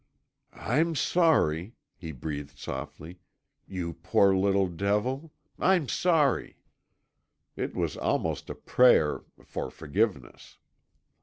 "I'm sorry," he breathed softly, "you poor little devil; I'm sorry!" It was almost a prayer for forgiveness.